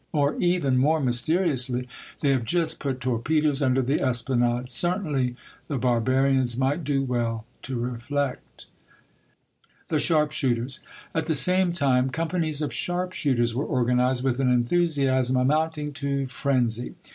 " or even more mysteriously, *' They have just put torpedoes under the Esplanade !" Certainly the barbarians might do well to reflect I THE SHARP SHOOTERS. At the same time companies of sharp shooters were organized with an enthusiasm amounting to frenzy.